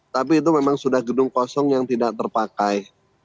tapi itu memang sudah gedung kosong yang tidak terpakai